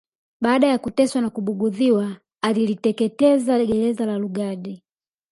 Baada ya kuteswa na kubughudhiwa aliliteketeza gereza la Lugard